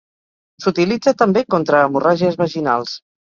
S'utilitza també contra hemorràgies vaginals.